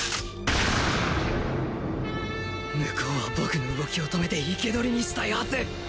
向こうは僕の動きを止めて生け捕りにしたいハズ。